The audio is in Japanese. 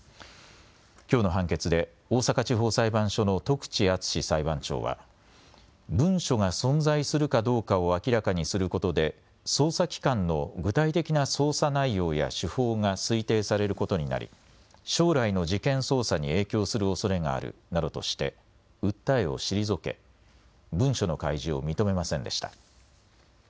きょうの判決で大阪地方裁判所の徳地淳裁判長は文書が存在するかどうかを明らかにすることで捜査機関の具体的な捜査内容や手法が推定されることになり将来の事件捜査に影響するおそれがあるなどとして訴えを退け文書の開示を認めませんでした。